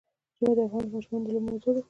ژمی د افغان ماشومانو د لوبو موضوع ده.